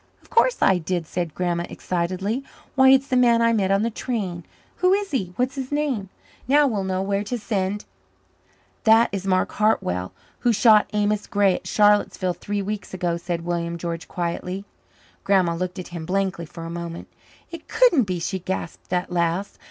"Of course I did," said Grandma excitedly. "Why, it's the man I met on the train. Who is he? What is his name? Now, we'll know where to send " "That is Mark Hartwell, who shot Amos Gray at Charlotteville three weeks ago," said William George quietly. Grandma looked at him blankly for a moment. "It couldn't be," she gasped at last.